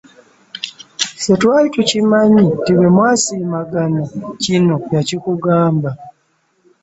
Ffe twali tukimanyi nti bwe mwasiimagana kino yakikugamba